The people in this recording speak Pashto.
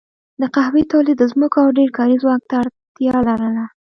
د قهوې تولید ځمکو او ډېر کاري ځواک ته اړتیا لرله.